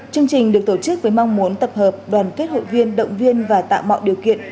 chương trình được tổ chức với mong muốn tập hợp đoàn kết hội viên động viên và tạo mọi điều kiện